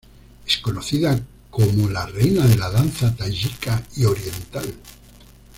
Es conocida como como la "Reina de la Danza Tayika y Oriental.